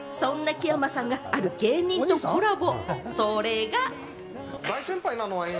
そんな木山さんがある芸人さんとコラボ。